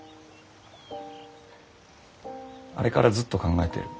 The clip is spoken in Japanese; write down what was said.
あれからずっと考えてる。